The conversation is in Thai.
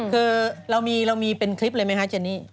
คือเรามีเป็นคลิปเลยไหมคะเจนี่